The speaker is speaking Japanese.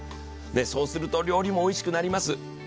そうすると料理もおいしくなります。